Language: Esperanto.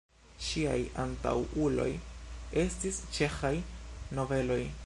Ŝiaj antaŭuloj estis ĉeĥaj nobeloj.